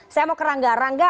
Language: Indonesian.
saya mau ke rangga rangga